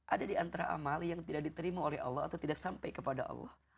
ada di antara amal yang tidak diterima oleh allah atau tidak sampai kepada allah